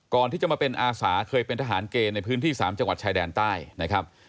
ก่อนที่จะมาเป็นอาสาเคยเป็นทหารเกณฑ์ในพื้นที่๓จังหวัดชายแดนใต้นะครับ